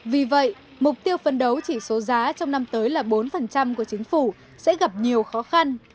vì vậy mục tiêu phân đấu chỉ số giá trong năm tới là bốn của chính phủ sẽ gặp nhiều khó khăn